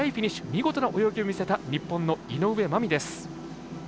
見事な泳ぎを見せた日本の井上舞美です。